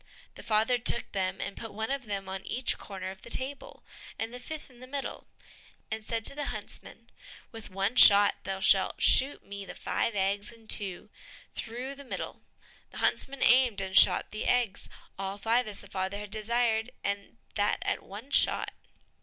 The father took them, and put one of them on each corner of the table, and the fifth in the middle, and said to the huntsman, "With one shot thou shalt shoot me the five eggs in two, through the middle." The huntsman aimed, and shot the eggs, all five as the father had desired, and that at one shot.